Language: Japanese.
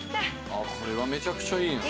「これはめちゃくちゃいいな」